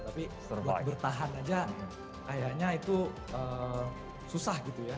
tapi buat bertahan aja kayaknya itu susah gitu ya